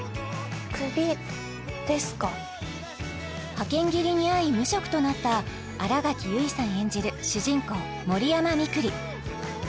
派遣切りに遭い無職となった新垣結衣さん演じる主人公森山みくり